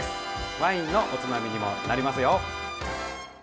ワインのおつまみにもなりますよ。